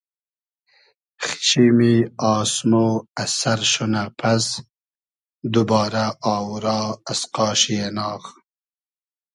خیشیمی آسمۉ از سئر شونۂ پئس دوبارۂ آوورا از قاشی ایناغ